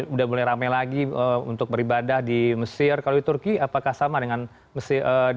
udah mulai rame lagi untuk beribadah di mesir kalau di turki apakah sama dengan